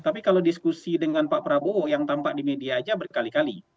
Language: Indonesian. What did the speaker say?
tapi kalau diskusi dengan pak prabowo yang tampak di media aja berkali kali